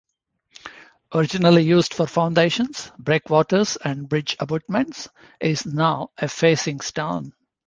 Originally used for foundations, breakwaters and bridge abutments, it is now a facing stone.